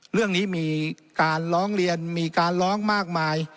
เรื่องนี้มีการร้องเรียนมีการร้องมากมาย